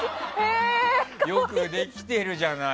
よくできてるじゃない。